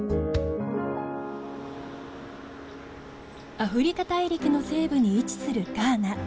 アフリカ大陸の西部に位置するガーナ。